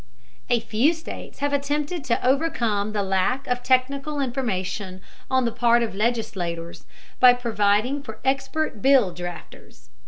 A few states have attempted to overcome the lack of technical information on the part of legislators by providing for expert bill drafters.